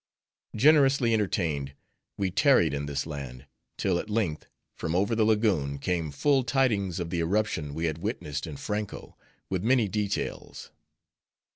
Generously entertained, we tarried in this land; till at length, from over the Lagoon, came full tidings of the eruption we had witnessed in Franko, with many details.